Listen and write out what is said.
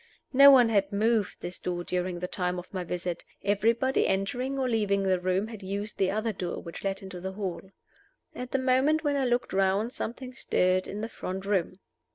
No one had moved this door during the time of my visit. Everybody entering or leaving the room had used the other door, which led into the hall. At the moment when I looked round something stirred in the front room.